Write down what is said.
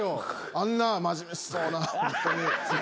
あんな真面目そうな。